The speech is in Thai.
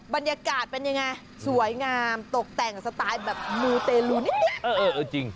บรรยากาศเป็นยังไงสวยงามตกแต่งสไตล์แบบมูเตลูนิดนึงเออเออเออจริง